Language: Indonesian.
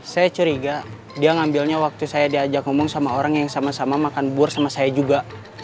saya curiga dia ngambilnya waktu saya diajak ngomong sama orang yang sama sama makan bur sama saya juga